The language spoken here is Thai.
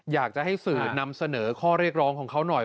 อยากจะให้สื่อนำเสนอข้อเรียกร้องของเขาหน่อย